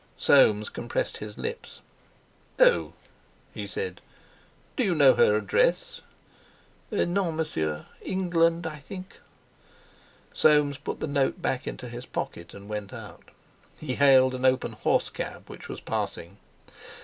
Soames compressed his lips. "Oh!" he said; "do you know her address?" "Non, Monsieur. England, I think." Soames put the note back into his pocket and went out. He hailed an open horse cab which was passing.